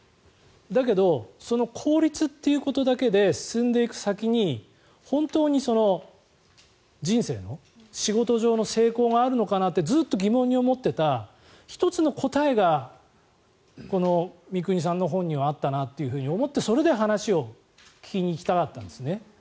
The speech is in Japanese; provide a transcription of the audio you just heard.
だけどその効率っていうことだけで進んでいく先に本当に人生の仕事上の成功があるのかなってずっと疑問に思っていた１つの答えがこの三國さんの本にはあったなと思ってそれで話を聞きに行きたかったんですね。